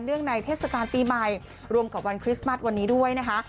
ในเทศกาลปีใหม่รวมกับวันคริสต์มัสวันนี้ด้วยนะคะ